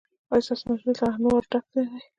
ایا ستاسو مجلس له انوارو ډک نه دی؟